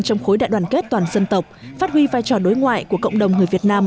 trong khối đại đoàn kết toàn dân tộc phát huy vai trò đối ngoại của cộng đồng người việt nam